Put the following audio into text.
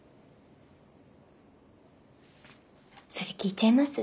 それ聞いちゃいます？